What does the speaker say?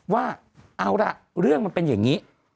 ว่าเอาล่ะเรื่องมันเป็นอย่างนี้